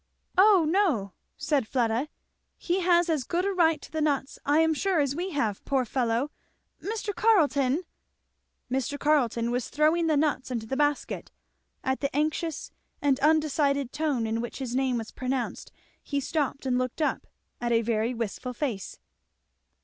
"Oh no!" said Fleda; "he had as good a right to the nuts I am sure as we have, poor fellow. Mr. Carleton " Mr. Carleton was throwing the nuts into the basket. At the anxious and undecided tone in which his name was pronounced he stopped and looked up, at a very wistful face.